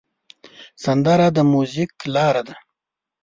سندره د میوزیک لاره ده